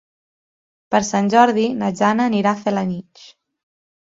Per Sant Jordi na Jana anirà a Felanitx.